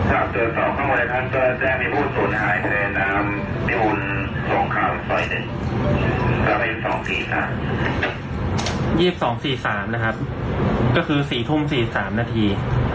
อันที่สองสี่สามนะครับก็คือสี่ทุ่มสี่สามนาที